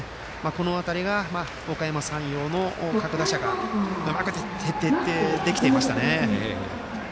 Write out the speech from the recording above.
この辺りが、おかやま山陽の各打者が徹底できていましたね。